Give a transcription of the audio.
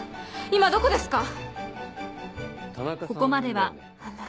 今どこですか？